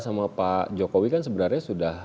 sama pak jokowi kan sebenarnya sudah